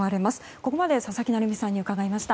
ここまで佐々木成三さんに伺いました。